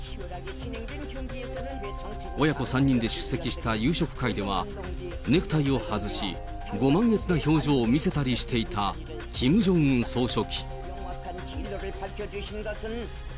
親子３人で出席した夕食会では、ネクタイを外し、ご満悦な表情を見せたりしていたキム・ジョンウン総書記。